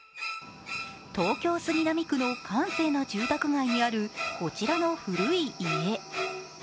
東京・杉並区の閑静な住宅街にあるこちらの古い家。